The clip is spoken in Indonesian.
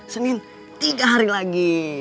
senin tiga hari lagi